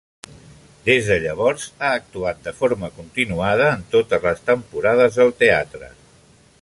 Des de llavors ha actuat de forma continuada en totes les temporades del Teatre.